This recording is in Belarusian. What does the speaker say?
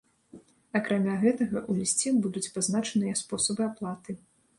Акрамя гэтага, у лісце будуць пазначаныя спосабы аплаты.